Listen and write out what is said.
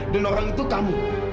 dan orang itu kamu